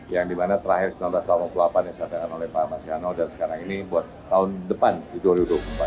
yang dimana terakhir seribu sembilan ratus delapan puluh delapan yang disampaikan oleh pak mas yano dan sekarang ini buat tahun depan di dua ribu dua puluh empat